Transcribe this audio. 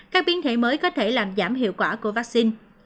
các biến thể mới có thể làm giảm hiệu quả của vaccine